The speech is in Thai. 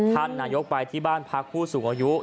ท่านนายกไปที่บ้านพักผู้สูงอายุ